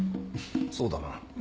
そうだな。